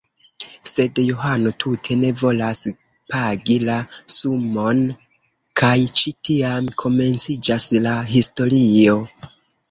Sed Johano tute ne volas pagi la sumon kaj ĉi tiam komenciĝas la historio.